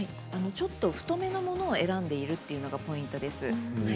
ちょっと太めのものを選んでいるのがポイントです。